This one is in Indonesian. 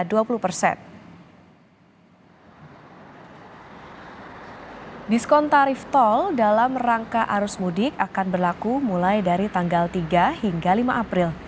diskon tarif tol dalam rangka arus mudik akan berlaku mulai dari tanggal tiga hingga lima april